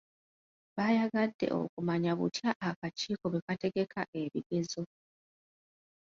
Baayagadde okumanya butya akakiiko bwe kategeka ebigezo.